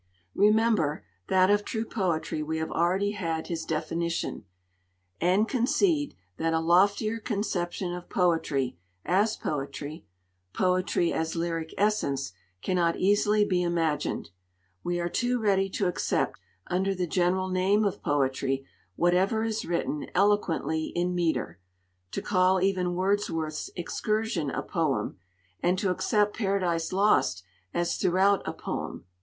Remember, that of true poetry we have already had his definition; and concede, that a loftier conception of poetry as poetry, poetry as lyric essence, cannot easily be imagined. We are too ready to accept, under the general name of poetry, whatever is written eloquently in metre; to call even Wordsworth's Excursion a poem, and to accept Paradise Lost as throughout a poem.